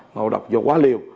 ngộ độc do quá liều